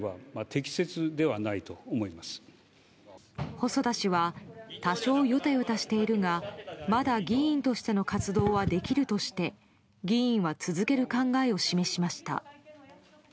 細田氏は多少よたよたしているがまだ議員としての活動はできるとして議員は続ける考えを示しました。